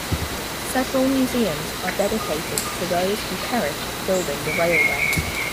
Several museums are dedicated to those who perished building the railway.